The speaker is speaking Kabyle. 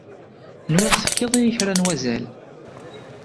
Nwiɣ tefkiḍ-iyi kra n wazal.